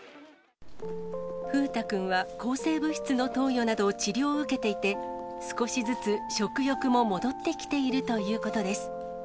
風太君は抗生物質の投与など治療を受けていて、少しずつ食欲も戻ってきているということです。